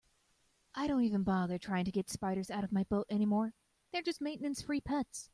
I don't even bother trying to get spiders out of my boat anymore, they're just maintenance-free pets.